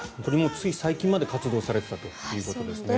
つい最近まで活動されていたということですね。